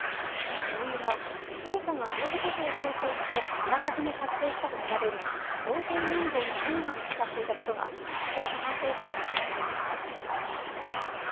教諭が捜査が及ぶことを想定して、あらかじめ作成したと見られる想定問答のメモが見つかっていたことが、捜査関係者への取材で分かりました。